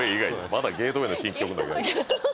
まだゲートウェイの新曲。